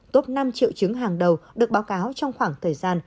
top năm triệu chứng hàng đầu được báo cáo trong khoảng thời gian